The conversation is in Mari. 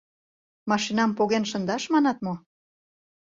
Машинам поген шындаш манат мо?!